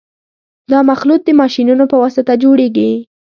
دا مخلوط د ماشینونو په واسطه جوړیږي